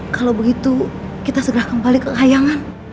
kalau begitu kita segera kembali ke kayangan